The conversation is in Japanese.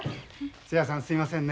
つやさんすいませんね。